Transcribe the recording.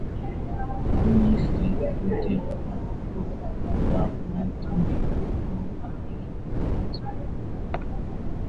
Onye Isi Ode Akwukwo ugbu a bụ Anthony O. Ojukwu Esq.